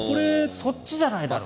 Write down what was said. そっちじゃないだろうと。